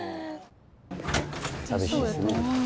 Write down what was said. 寂しいですね。